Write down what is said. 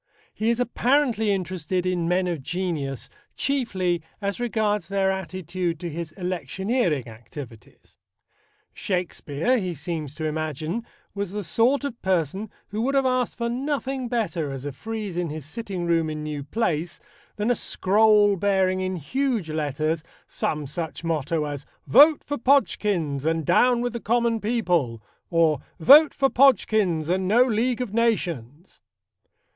He is apparently interested in men of genius chiefly as regards their attitude to his electioneering activities. Shakespeare, he seems to imagine, was the sort of person who would have asked for nothing better as a frieze in his sitting room in New Place than a scroll bearing in huge letters some such motto as "Vote for Podgkins and Down with the Common People" or "Vote for Podgkins and No League of Nations."